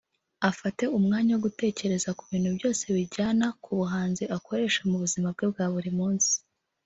afate umwanya wo gutekereza ku bintu byose bijyana ku buhanzi akoresha mu buzima bwe bwa buri munsi